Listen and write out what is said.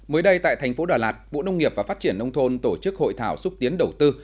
mới đây tại thành phố đà lạt bộ nông nghiệp và phát triển nông thôn tổ chức hội thảo xúc tiến đầu tư